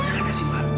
gimana sih mal